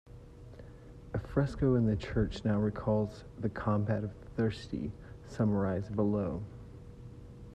A fresco in the church now recalls the Combat of the Thirty summarized below.